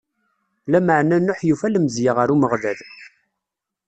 Lameɛna Nuḥ yufa lemzeyya ɣer Umeɣlal.